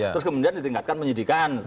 terus kemudian ditingkatkan penyidikan